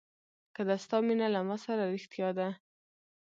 که د ستا مینه له ما سره رښتیا ده.